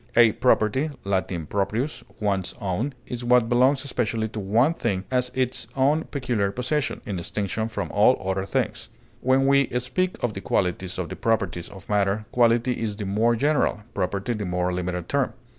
A property (L. proprius, one's own) is what belongs especially to one thing as its own peculiar possession, in distinction from all other things; when we speak of the qualities or the properties of matter, quality is the more general, property the more limited term.